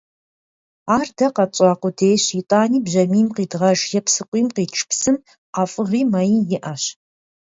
Ар дэ къэтщӀа къудейщ, итӀани бжьамийм къидгъэж е псыкъуийм къитш псым ӀэфӀыгъи, мэи иӀэщ.